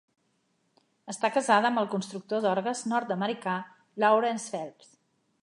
Està casada amb el constructor d'orgues nord-americà Lawrence Phelps.